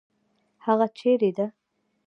هغه چیرې ده؟